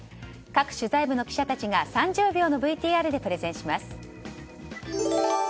各取材部の記者たちが３０秒のＶＴＲでプレゼンします。